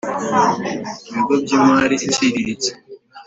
Ibigo by’ imari iciriritse